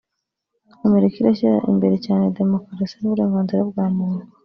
Amerika irashyira imbere cyane demokarasi n’uburenganzira bwa muntu